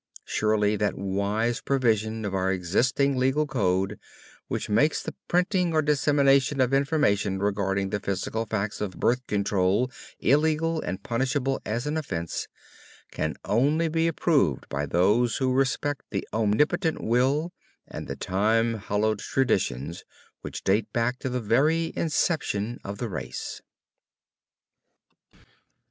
Surely that wise provision of our existing legal code which makes the printing or dissemination of information regarding the physical facts of "birth control" illegal and punishable as an offense, can only be approved by those who respect the Omnipotent will, and the time hallowed traditions which date back to the very inception of the race.